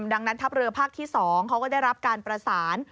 ดังนั้นทัพเรือภาคที่๒เขาก็ได้รับการประสาน